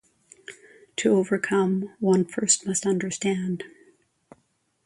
To overcome, one must first understand.